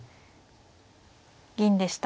銀でした。